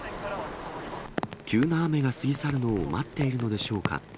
急な雨が過ぎ去るのを待っているのでしょうか。